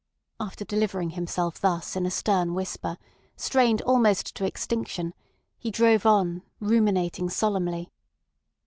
After delivering himself thus in a stern whisper, strained almost to extinction, he drove on, ruminating solemnly.